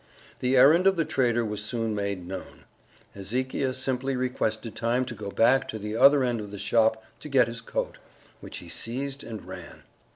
The errand of the trader was soon made known. Hezekiah simply requested time to go back to the other end of the shop to get his coat, which he seized and ran.